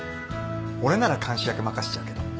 俺なら監視役任せちゃうけど